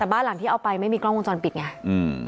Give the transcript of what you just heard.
แต่บ้านหลังที่เอาไปไม่มีกล้องวงจรปิดไงอืม